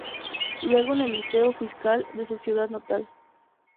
Luego en el liceo fiscal de su ciudad natal.